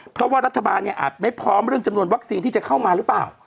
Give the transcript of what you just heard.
เพราะว่ารัฐบาลเนี่ยอาจไม่พร้อมเรื่องจำนวนวัคซีนที่จะเข้ามาหรือเปล่า